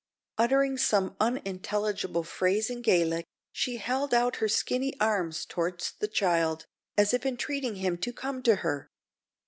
Uttering some unintelligible phrase in Gaelic, she held out her skinny arms towards the child, as if entreating him to come to her.